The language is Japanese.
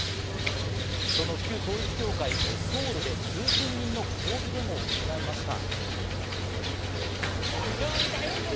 その旧統一教会、ソウルで数千人の抗議デモを行いました。